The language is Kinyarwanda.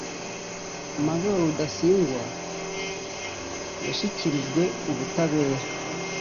Major Rudasingwa yashyikirijwe ubutabera